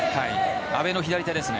阿部の左手ですね。